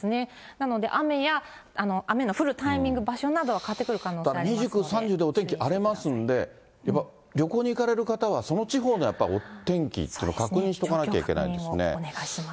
なので雨や、雨の降るタイミング、場所など、２９、３０でお天気荒れますんで、やっぱり旅行に行かれる方は、その地方のやっぱりお天気っていうのを確認しとかなきゃいけない確認をお願いします。